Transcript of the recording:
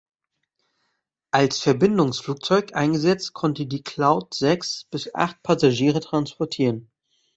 Als Verbindungsflugzeug eingesetzt, konnte die Cloud sechs bis acht Passagiere transportieren.